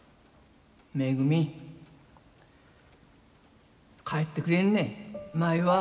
めぐみ帰ってくれんね。